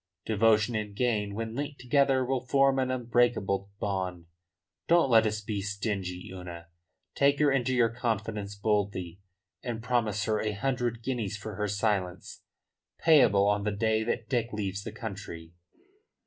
Devotion and gain when linked together will form an unbreakable bond. Don't let us be stingy, Una. Take her into your confidence boldly, and promise her a hundred guineas for her silence payable on the day that Dick leaves the country."